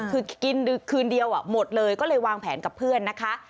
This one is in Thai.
คือกินคืนเดียวหมดเลยก็เลยวางแผนกับเพื่อนนะคะ